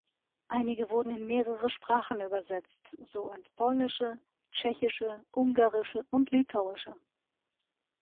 Einige wurden in mehrere Sprachen übersetzt, so ins Polnische, Tschechische, Ungarische und Litauische.